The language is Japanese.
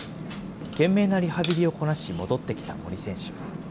懸命なリハビリをこなし、戻ってきた森選手。